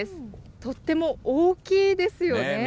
とっても大きいですよね。